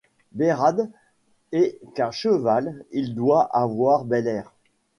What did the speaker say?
Bérarde! et qu’à cheval il doit avoir bel air !